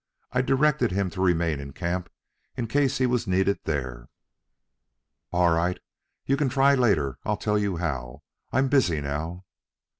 I directed him to remain in camp in case he was needed there." "All right. You can try later. I'll tell you how. I'm busy now."